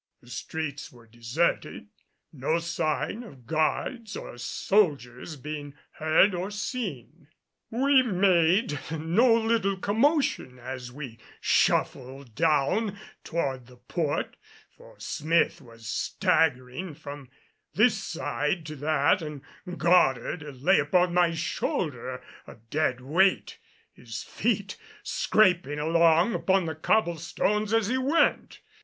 The streets were deserted, no sign of guards or soldiers being heard or seen. We made no little commotion as we shuffled down toward the port, for Smith was staggering from this side to that and Goddard lay upon my shoulder a dead weight, his feet scraping along upon the cobblestones as we went!